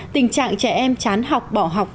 tình trạng trẻ em chán học bỏ học